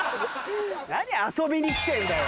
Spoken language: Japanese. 何遊びにきてんだよ。